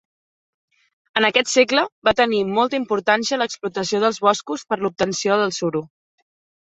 En aquest segle va tenir molta importància l’explotació dels boscos per l’obtenció del suro.